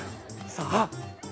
さああっ